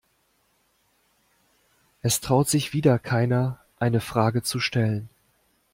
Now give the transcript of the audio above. Es traut sich wieder keiner, eine Frage zu stellen.